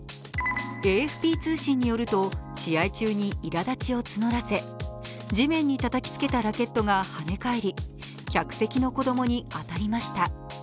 ＡＦＰ通信によると試合中にいらだちを募らせ地面にたたきつけたラケットが跳ね返り、客席の子供に当たりました。